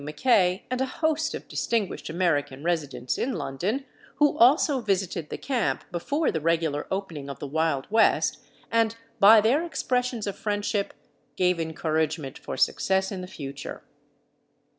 Mackay, and a host of distinguished American residents in London, who also visited the camp before the regular opening of the Wild West, and by their expressions of friendship gave encouragement for success in the future.